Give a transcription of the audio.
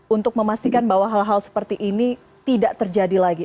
untuk memastikan bahwa hal hal seperti ini tidak terjadi lagi